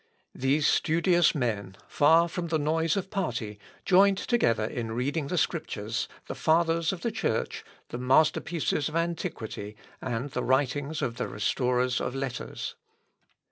These studious men, far from the noise of party, joined together in reading the Scriptures, the Fathers of the Church, the master pieces of antiquity, and the writings of the restorers of letters.